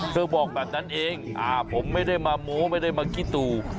บอกแบบนั้นเองผมไม่ได้มาโม้ไม่ได้มาขี้ตู่